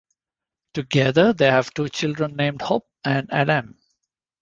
Together they have two children named Hope and Adam.